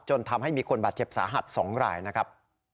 ทำให้มีคนบาดเจ็บสาหัส๒รายนะครับ